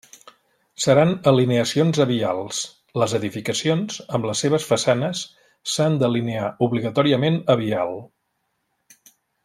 Seran alineacions a vials, les edificacions, amb les seves façanes, s'han d'alinear obligatòriament a vial.